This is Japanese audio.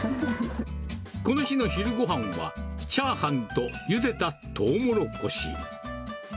この日の昼ごはんはチャーハンとゆでたトウモロコシ。